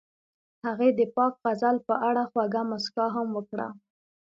هغې د پاک غزل په اړه خوږه موسکا هم وکړه.